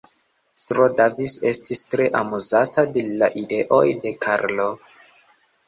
S-ro Davis estis tre amuzata de la ideoj de Karlo.